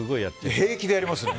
平気でやりますね。